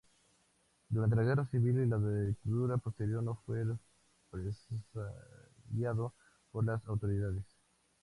Durante la Guerra Civil y la dictadura posterior no fue represaliado por las autoridades.